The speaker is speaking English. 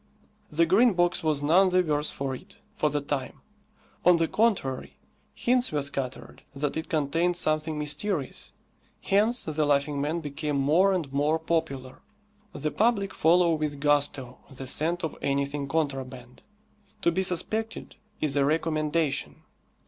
The Green Box was none the worse for it, for the time. On the contrary, hints were scattered that it contained something mysterious. Hence the Laughing Man became more and more popular. The public follow with gusto the scent of anything contraband. To be suspected is a recommendation.